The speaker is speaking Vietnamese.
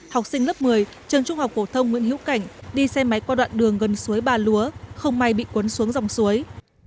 học sinh lớp một mươi trường trung học phổ thông nguyễn hữu cảnh đi xe máy qua đoạn đường gần suối bà lúa không may bị cuốn xuống dòng suối